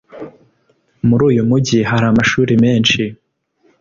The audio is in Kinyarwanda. Muri uyu mujyi hari amashuri menshi